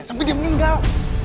sampe dia minggal